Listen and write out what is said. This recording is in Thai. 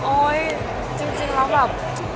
โอ๊ยจริงแล้วแบบ